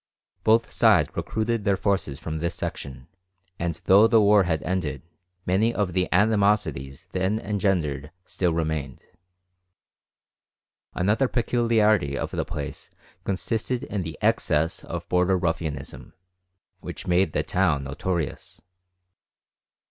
Both sides recruited their forces from this section, and though the war had ended, many of the animosities then engendered still remained. Another peculiarity of the place consisted in the excess of border ruffianism, which made the town notorious.